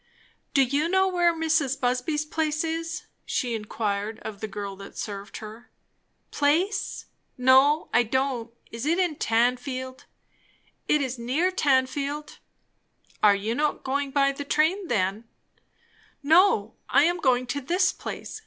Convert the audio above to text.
"Do you know where Mrs. Busby's place is?" she inquired of the girl that served her. "Place? No, I don't. Is it in Tanfield?" "It is near Tanfield." "You are not going by the train, then?" "No. I am going to this place.